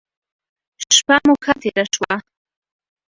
شپه مو ښه تیره شوه.